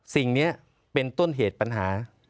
สิ่งนี้เป็นต้นเหตุปัญหา